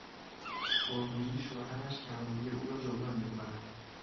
پررویی شوهرش کم رویی او را جبران میکند.